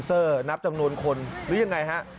เซิร์ฟนับจำนวนคนหรืออย่างไรครับ